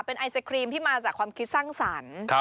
เป็นไอศครีมที่มาจากความคิดสร้างสรรค์